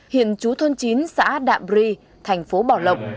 hiện chú thôn chín xã đạm ri thành phố bảo lộc